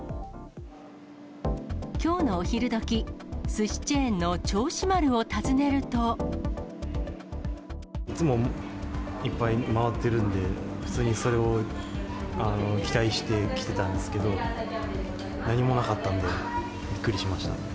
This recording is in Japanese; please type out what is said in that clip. きょうのお昼どき、いつもいっぱい回ってるんで、普通にそれを期待して来てたんですけど、何もなかったんで、びっくりしました。